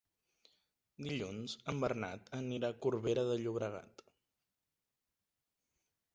Dilluns en Bernat anirà a Corbera de Llobregat.